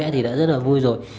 mọi người sẽ rất là vui rồi